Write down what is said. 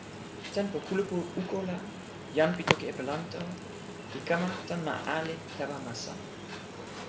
tenpo kulupu Uko la jan pi toki Epelanto li kama tan ma ale tawa ma sama.